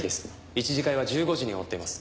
一次会は１５時に終わっています。